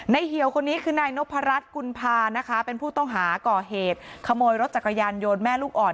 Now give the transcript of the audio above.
เหี่ยวคนนี้คือนายนพรัชกุลภานะคะเป็นผู้ต้องหาก่อเหตุขโมยรถจักรยานโยนแม่ลูกอ่อน